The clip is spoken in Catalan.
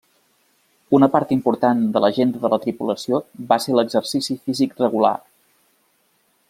Una part important de l'agenda de la tripulació va ser l'exercici físic regular.